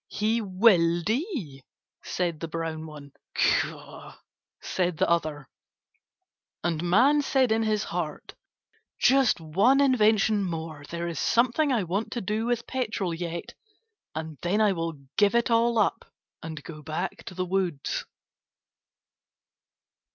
"He will die," said the brown one. "Caw," said the other. And Man said in his heart: "Just one invention more. There is something I want to do with petrol yet, and then I will give it all up and go back to the woods."